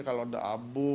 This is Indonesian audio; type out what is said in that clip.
kalau ada abu